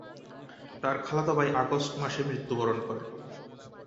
তার খালাতো ভাই আগস্ট মাসে মৃত্যুবরণ করে।